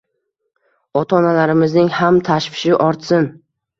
Ota-onalarimizning ham tashvishi ortsin.